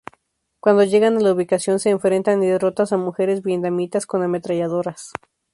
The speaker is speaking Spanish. Cuando llegan a la ubicación se enfrentan y derrotan a mujeres vietnamitas con ametralladoras.